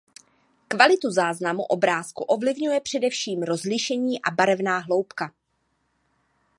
Kvalitu záznamu obrázku ovlivňuje především rozlišení a barevná hloubka.